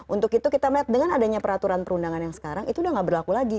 untuk itu kita melihat dengan adanya peraturan perundangan yang sekarang itu udah nggak berlaku lagi